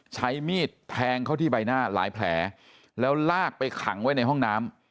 ใช้มีดแทงเข้าที่ใบหน้าหลายแผลแล้วลากไปขังไว้ในห้องน้ำ